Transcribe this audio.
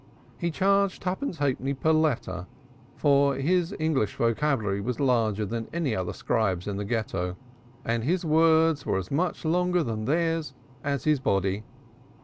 He charged twopence halfpenny per letter, for his English vocabulary was larger than any other scribe's in the Ghetto, and his words were as much longer than theirs as his body.